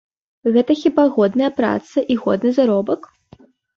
Гэта хіба годная праца і годны заробак?